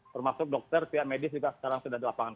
termasuk dokter pihak medis juga sekarang sudah di lapangan